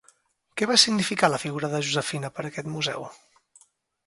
Què va significar la figura de Josefina per a aquest museu?